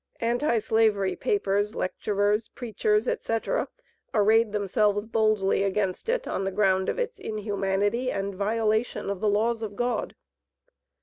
Anti slavery papers, lecturers, preachers, etc., arrayed themselves boldly against it on the ground of its inhumanity and violation of the laws of God.